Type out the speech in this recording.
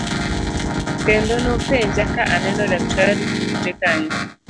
Kendo nopenja ka aneno daktari bute kanyo.